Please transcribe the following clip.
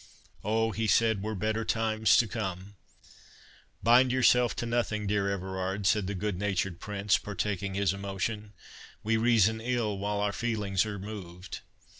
"Oh!" he said, "were better times to come"— "Bind yourself to nothing, dear Everard," said the good natured Prince, partaking his emotion—"We reason ill while our feelings are moved.